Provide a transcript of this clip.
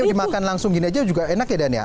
kalau dimakan langsung gini aja juga enak ya dania